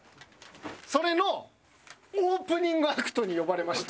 それのオープニングアクトに呼ばれました。